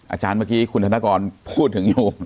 อาจารย์เมื่อกี้คุณธนกรพูดถึงอยู่